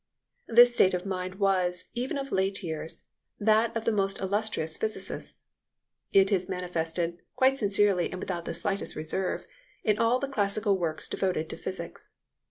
This state of mind was, even of late years, that of the most illustrious physicists. It is manifested, quite sincerely and without the slightest reserve, in all the classical works devoted to physics.